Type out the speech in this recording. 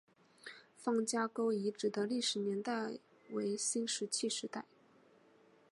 方家沟遗址的历史年代为新石器时代。